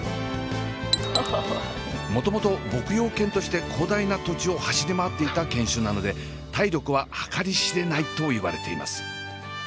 もともと牧羊犬として広大な土地を走り回っていた犬種なので体力は計り知れないといわれています。